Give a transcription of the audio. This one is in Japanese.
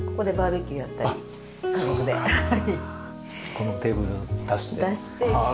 このテーブルを出して。